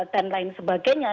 dan lain sebagainya